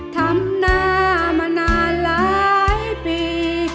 ทำหน้ามานานหลายปี